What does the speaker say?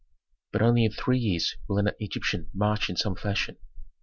But only in three years will an Egyptian march in some fashion.